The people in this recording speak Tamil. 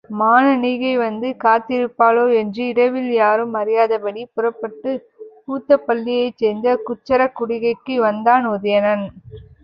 மானனீகை வந்து காத்திருப்பாளே என்று இரவில் யாரும் அறியாதபடி புறப்பட்டுக் கூத்தப்பள்ளியைச் சேர்ந்த குச்சரக் குடிகைக்கு வந்தான் உதயணன்.